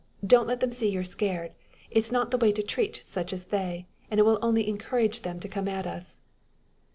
Don't let them see you're scared. It's not the way to treat such as they, and will only encourage them to come at us."